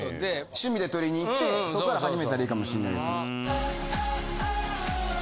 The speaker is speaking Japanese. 趣味でとりに行ってそっから始めたらいいかもしんないですね。